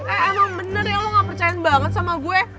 eh emang bener ya lo gak percaya banget sama gue